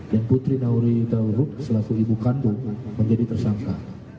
dan putri nauri taurut selaku ibu kandung menjadi tersangka